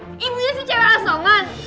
ibunya sih cewek asongan